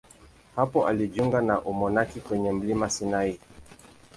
Hapo alijiunga na umonaki kwenye mlima Sinai.